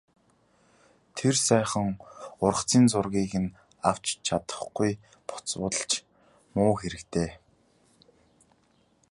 Тэр сайхан ургацын зургийг нь авч чадахгүй буцвал ч муу хэрэг дээ...